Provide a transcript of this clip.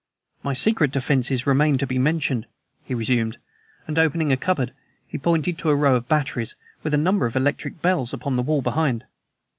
"My secret defenses remain to be mentioned," he resumed; and, opening a cupboard, he pointed to a row of batteries, with a number of electric bells upon the wall behind.